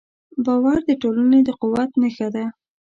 باور د ټولنې د قوت نښه ده.